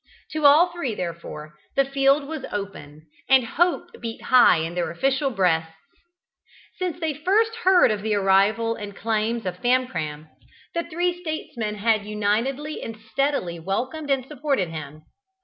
To all three, therefore, the field was open, and hope beat high in their official breasts. Since they first heard of the arrival and claims of Famcram, the three statesmen had unitedly and steadily welcomed and supported him.